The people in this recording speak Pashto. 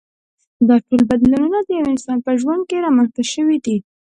دا ټول بدلونونه د یوه انسان په ژوند کې رامنځته شوي دي.